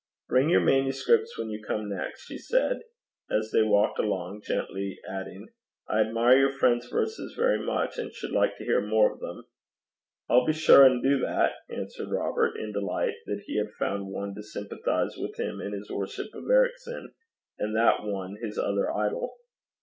'Bring your manuscripts when you come next,' she said, as they walked along gently adding, 'I admire your friend's verses very much, and should like to hear more of them.' 'I'll be sure an' do that,' answered Robert, in delight that he had found one to sympathize with him in his worship of Ericson, and that one his other idol.